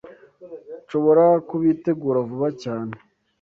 Nshobora kubitegura vuba cyane.